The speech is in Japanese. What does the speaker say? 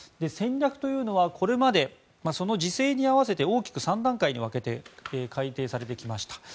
戦略というのはこれまでその時勢に合わせて大きく３段階に分けて改訂されてきました。